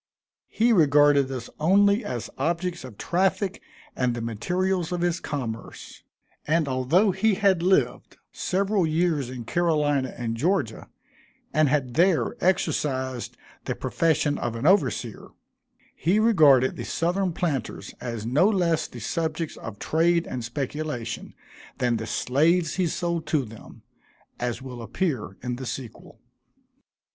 He regarded us only as objects of traffic and the materials of his commerce; and although he had lived several years in Carolina and Georgia, and had there exercised the profession of an overseer, he regarded the Southern planters as no less the subjects of trade and speculation than the slaves he sold to them; as will appear in the sequel.